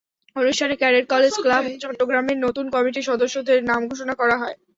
অনুষ্ঠানে cadet college club চট্টগ্রামের নতুন কমিটির সদস্যদের নাম ঘোষণা করা হয়।